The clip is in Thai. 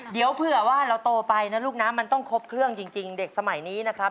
เดี๋ยวเผื่อว่าเราโตไปนะลูกนะมันต้องครบเครื่องจริงเด็กสมัยนี้นะครับ